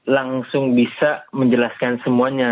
langsung bisa menjelaskan semuanya